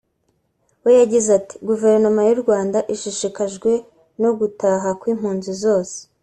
we yagize ati “Guverinoma y’u Rwanda ishishikajwe no gutaha kw’impunzi zose